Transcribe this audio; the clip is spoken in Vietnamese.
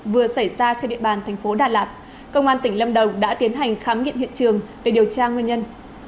vừa xảy ra trên địa bàn thành phố đà lạt công an tỉnh lâm đồng đã tiến hành khám nghiệm hiện trường để điều tra nguyên nhân